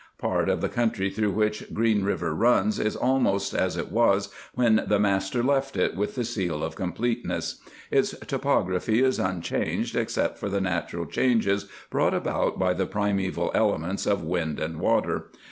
Part of the country through which Green River runs is almost as it was when the Master left it with the seal of completeness. Its topography is unchanged except for the natural changes brought about by the primeval elements of wind and water.